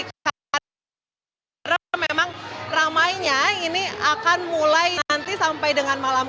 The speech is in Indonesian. karena sekarang memang ramainya ini akan mulai nanti sampai dengan malam